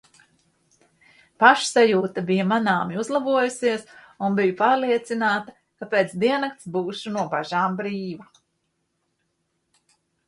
Pašsajūta bija manāmi uzlabojusies un biju pārliecināta, ka pēc diennakts būšu no bažām brīva.